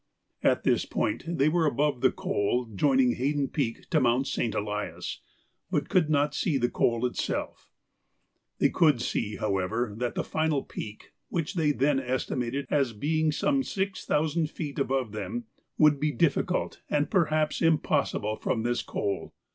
At this point they were above the col joining Haydon Peak to Mount St. Elias, but could not see the col itself. They could see, however, that the final peak, which they then estimated as being some six thousand feet above them, would be difficult and perhaps impossible from this col.